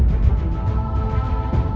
aku ingin menerima keadaanmu